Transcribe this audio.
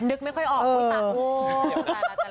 นึกไม่ค่อยออกคุยตัด